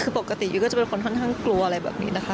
คือปกติอยู่ก็จะเป็นคนทั้งกลัวอะไรแบบนี้นะคะ